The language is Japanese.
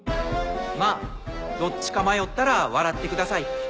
まぁどっちか迷ったら笑ってください。